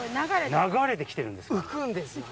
流れてきてるんですか？